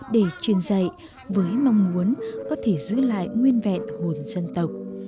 để truyền dạy với mong muốn có thể giữ lại nguyên vẹn hồn dân tộc